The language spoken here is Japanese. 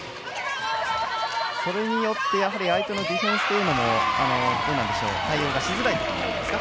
それによって相手のディフェンスも対応がしづらいですか？